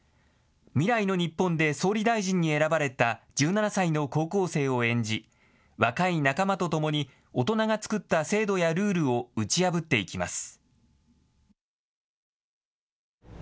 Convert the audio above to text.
未来の日本で総理大臣に選ばれた１７歳の高校生を演じ若い仲間とともに大人が作った制度やルールを打ち破っていきます。